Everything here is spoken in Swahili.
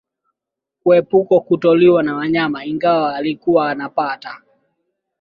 Kuepuka kutoliwa na wanyama Ingawa alikuwa anapata